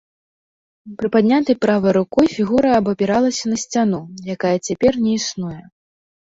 Прыпаднятай правай рукой фігура абапіралася на сцяну, якая цяпер не існуе.